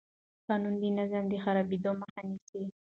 قانون د نظم د خرابېدو مخه نیسي.